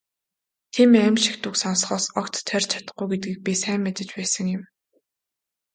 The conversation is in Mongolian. Тийм «аймшигт» үг сонсохоос огт тойрч чадахгүй гэдгийг би сайн мэдэж байсан юм.